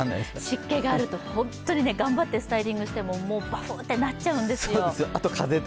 湿気があると本当に頑張ってスタイリングしてもバフッ！ってなっちゃうんですよ。